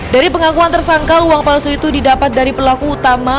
dari pengakuan tersangka uang palsu itu didapat dari pelaku utama